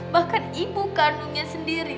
bahkan ibu kandungnya sendiri